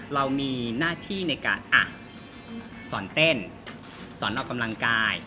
เรามีหน้าที่ในการสอนเต้นสอนออกกำลังกาย